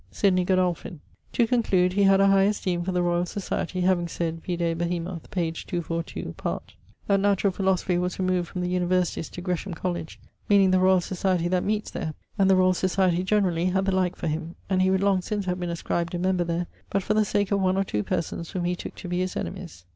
<_Sidney Godolphin_.> To conclude, he had a high esteeme for the Royall Societie, having sayd (vide Behemoth pag. 242, part ...) that 'Naturall Philosophy was removed from the Universities to Gresham Colledge,' meaning the Royall Societie that meetes there; and the Royall Societie (generally) had the like for him: and he would long since have been ascribed a member there, but for the sake of one[CXXVII.] or two persons, whom he tooke to be his enemies.